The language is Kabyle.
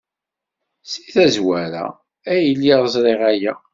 Seg tazwara ay lliɣ ẓriɣ aya.